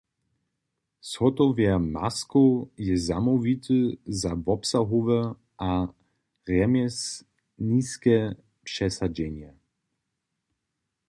Zhotowjer maskow je zamołwity za wobsahowe a rjemjeslniske přesadźenje.